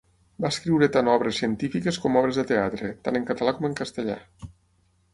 Va escriure tant obres científiques com obres de teatre, tant en català com en castellà.